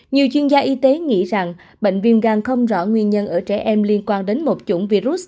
nhiều chuyên gia y tế nghĩ rằng bệnh viêm gan không rõ nguyên nhân ở trẻ em liên quan đến một chủng virus